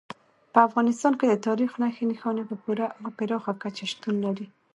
په افغانستان کې د تاریخ نښې نښانې په پوره او پراخه کچه شتون لري.